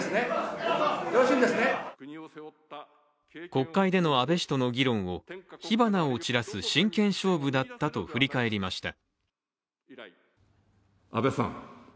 国会での安倍氏との議論を火花を散らす真剣勝負だったと振り返りました。